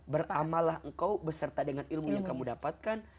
beramallah engkau beserta dengan ilmu yang kamu dapatkan